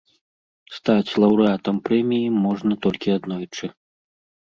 Стаць лаўрэатам прэміі можна толькі аднойчы.